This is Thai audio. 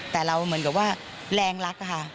แต่เราเหมือนกับว่าแรงรักค่ะ